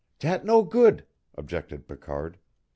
"Dat no good," objected Picard.